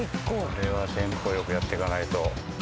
これはテンポ良くやっていかないと。